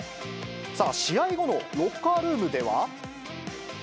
試合後のロッカールームでは。